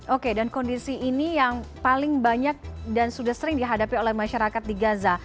oke dan kondisi ini yang paling banyak dan sudah sering dihadapi oleh masyarakat di gaza